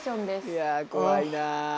いや怖いな。